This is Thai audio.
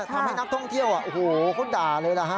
ทำให้นักท่องเที่ยวโอ้โหเขาด่าเลยล่ะฮะ